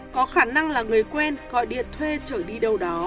có khả năng là người quen gọi điện thuê trở đi đâu đó